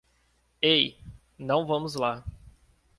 Ei, não vamos lá!